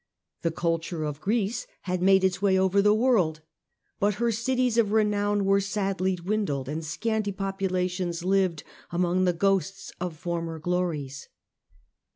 The culture of Greece had made its way over the world ; but her cities of re nown were sadly dwindled, and scanty populations lived among the ghosts of former glories.